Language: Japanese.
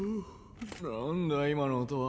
なんだ今の音は？